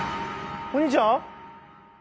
お兄ちゃん？